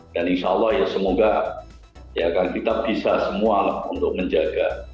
dan insyaallah ya semoga ya akan kita bisa semua untuk menjaga